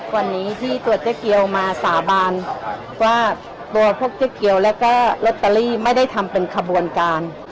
วันนี้ที่ตัวเจ๊เกียวมาสาบานว่าตัวพวกเจ๊เกียวแล้วก็ลอตเตอรี่ไม่ได้ทำเป็นขบวนการ